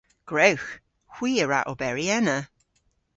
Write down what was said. Gwrewgh. Hwi a wra oberi ena.